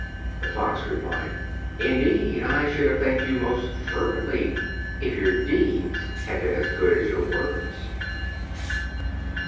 The Fox replied: "Indeed, I should have thanked you most fervently, if your deeds had been as good as your words."